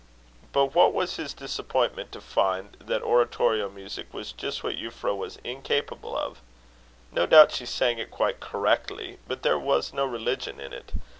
But what was his disappointment to find that oratorio music was just what Euphra was incapable of! No doubt she sang it quite correctly; but there was no religion in it.